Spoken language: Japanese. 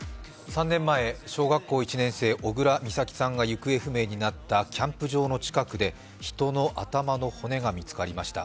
３年前、小学校１年生、小倉美咲さんが行方不明になったキャンプ場の近くで、人の頭の骨が見つかりました。